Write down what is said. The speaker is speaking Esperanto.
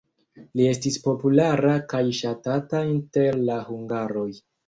Li estis populara kaj ŝatata inter la hungaroj.